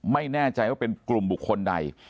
ไม่แน่ใจว่าเป็นกลุ่มบุคคลใด